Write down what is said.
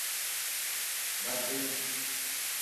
Ba te.